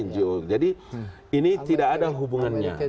jadi ini tidak ada hubungannya